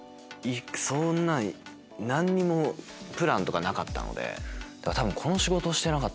そんなん何にもプランとかなかったので。